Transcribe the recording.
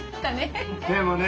でもね